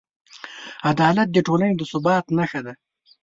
عدالت د ټولنې د ثبات نښه ده.